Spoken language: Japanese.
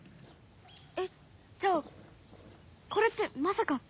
えっじゃあこれってまさか。